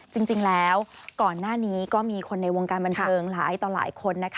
จริงแล้วก่อนหน้านี้ก็มีคนในวงการบันเทิงหลายต่อหลายคนนะคะ